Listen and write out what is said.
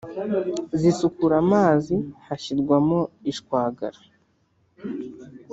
zisukura amazi hashyirwamo ishwagara